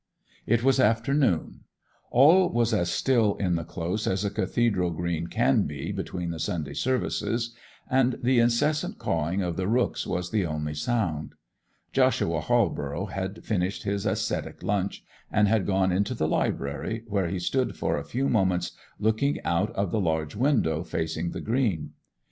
It was afternoon. All was as still in the Close as a cathedral green can be between the Sunday services, and the incessant cawing of the rooks was the only sound. Joshua Halborough had finished his ascetic lunch, and had gone into the library, where he stood for a few moments looking out of the large window facing the green.